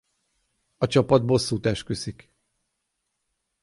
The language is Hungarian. A csapat bosszút esküszik.